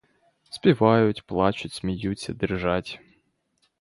Співають, плачуть, сміються, дрижать.